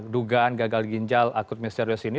dugaan gagal ginjal akut misterius ini